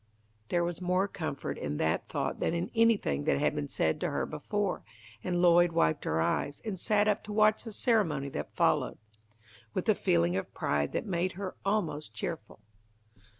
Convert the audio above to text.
There was more comfort in that thought than in anything that had been said to her before, and Lloyd wiped her eyes, and sat up to watch the ceremony that followed, with a feeling of pride that made her almost cheerful.